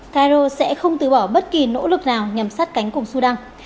cairo sẽ không tứ bỏ bất kỳ nỗ lực nào nhằm sát cánh cùng sudan